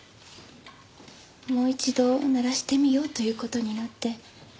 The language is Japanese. もう一度鳴らしてみようという事になって。